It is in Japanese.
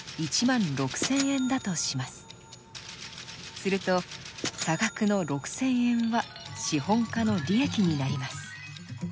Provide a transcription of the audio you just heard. すると差額の６，０００円は資本家の利益になります。